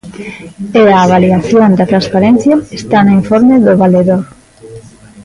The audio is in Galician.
E a avaliación da transparencia está no informe do Valedor.